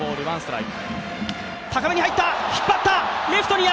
引っ張った！